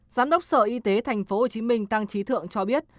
giám đốc sở y tế tp hcm tăng trí thượng cho biết